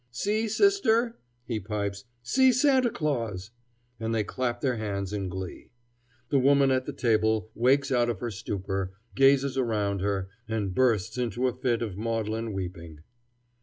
"See, sister!" he pipes; "see Santa Claus!" And they clap their hands in glee. The woman at the table wakes out of her stupor, gazes around her, and bursts into a fit of maudlin weeping.